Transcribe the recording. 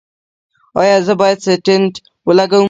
ایا زه باید سټنټ ولګوم؟